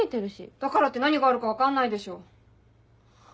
だからって何があるか分かんないでしょ。